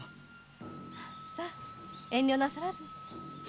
さあ遠慮なさらず。